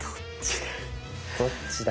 どっちだ？